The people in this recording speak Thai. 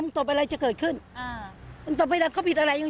ไม่ใช่ไม่ใช่